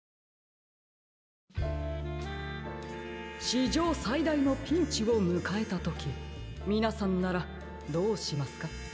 しじょうさいだいのピンチをむかえたときみなさんならどうしますか？